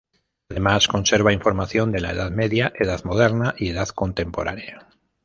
Además, conserva información de la Edad Media, Edad Moderna y Edad Contemporánea.